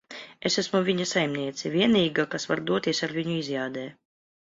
Es esmu viņa saimniece. Vienīgā, kas var doties ar viņu izjādē.